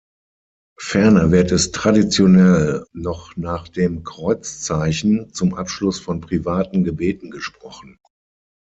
Ferner wird es traditionell, noch nach dem Kreuzzeichen, zum Abschluss von privaten Gebeten gesprochen.